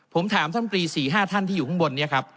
ผมถามท่านตรี๔๕ท่านที่อยู่ข้างบนนี้ครับ